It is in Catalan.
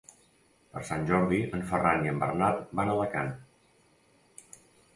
Per Sant Jordi en Ferran i en Bernat van a Alacant.